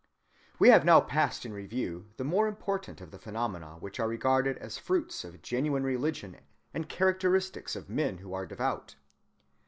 We have now passed in review the more important of the phenomena which are regarded as fruits of genuine religion and characteristics of men who are devout.